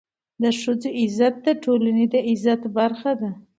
د ښځو عزت د ټولني د عزت برخه ده.